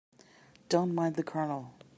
Don't mind the Colonel.